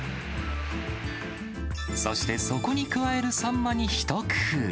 そしてそこに加えるサンマに一工夫。